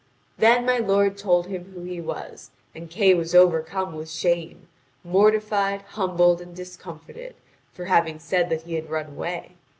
Then my lord told him who he was, and Kay was overcome with shame, mortified, humbled, and discomfited, for having said that he had run away.